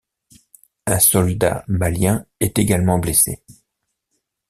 Un soldat malien est également blessé.